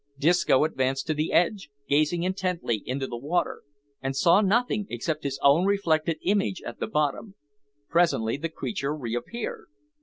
Disco advanced to the edge, gazed intently into the water, and saw nothing except his own reflected image at the bottom. Presently the creature reappeared.